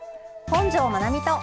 本上まなみと。